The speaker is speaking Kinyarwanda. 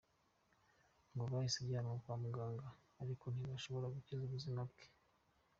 Ngo yahise ajyanwa kwa muganga ariko ntibashobora gukiza ubuzima bwe.